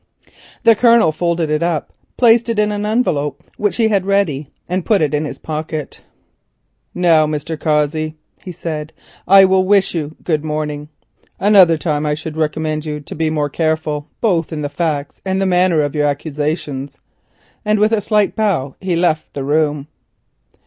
The Colonel folded it up, placed it in an envelope which he had ready, and put it in his pocket. "Now, Mr. Cossey," he said, "I will wish you good morning. Another time I should recommend you to be more careful, both of your facts and the manner of your accusations," and with a slight bow he left the room.